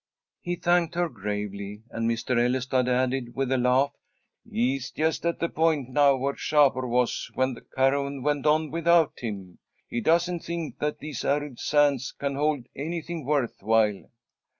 He thanked her gravely, and Mr. Ellestad added, with a laugh, "He is just at the point now where Shapur was when the caravan went on without him. He doesn't think that these arid sands can hold anything worth while."